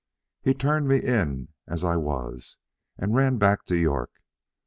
He just turned me in as I was, and ran back to York.